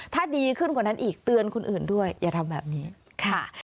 ถ้าดีขึ้นกว่านั้นอีกเตือนคนอื่นด้วยอย่าทำแบบนี้ค่ะ